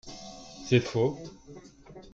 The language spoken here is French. C’est faux